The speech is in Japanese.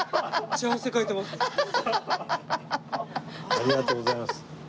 ありがとうございます。